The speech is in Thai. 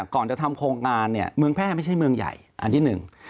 ก่อนจะทำโครงการเนี่ยเมืองแพร่ไม่ใช่เมืองใหญ่อันที่หนึ่ง